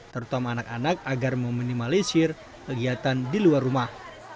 terutama anak anak agar meminimalisir kegiatan di luar rumah